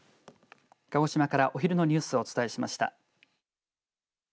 鹿児島からお昼のニュースをお伝えしました。